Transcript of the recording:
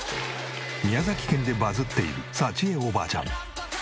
宮崎県でバズっているサチエおばあちゃん。